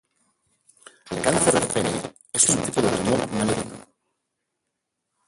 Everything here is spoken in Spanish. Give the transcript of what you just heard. El cáncer de pene es un tipo de tumor maligno.